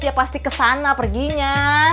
ya pasti kesana perginya